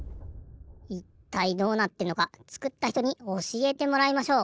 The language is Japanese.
いったいどうなってんのか作った人におしえてもらいましょう。